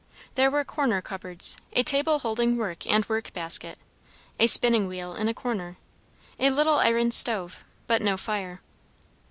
There were corner cupboards; a table holding work and work basket; a spinning wheel in a corner; a little iron stove, but no fire.